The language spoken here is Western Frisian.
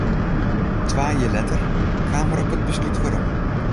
Twa jier letter kaam er op it beslút werom.